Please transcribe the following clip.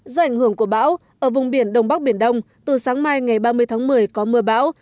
do ảnh hưởng của bão ở vùng biển đông bắc biển đông từ sáng mai ngày ba mươi tháng một mươi có mưa bão